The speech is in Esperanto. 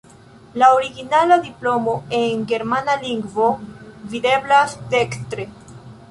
La originala diplomo, en germana lingvo, videblas dekstre.